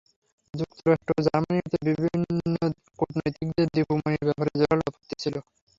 যুক্তরাষ্ট্র, জার্মানির মতো দেশের কূটনীতিকদের দীপু মনির ব্যাপারে জোরালো আপত্তি ছিল।